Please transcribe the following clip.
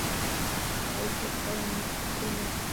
هغوی تیر کال انلاین کورسونه لوستل.